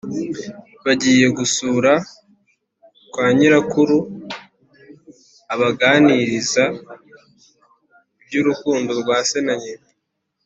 Bagiye gusura kwa nyirakuru abaganiriza ibyurukondo rwa se na nyina